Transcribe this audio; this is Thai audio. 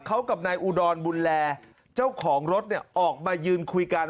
เขากับนายอุดรบุญแลเจ้าของรถเนี่ยออกมายืนคุยกัน